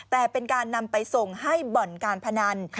แต่เป็นการนำไปส่งให้บ่อนการพนัน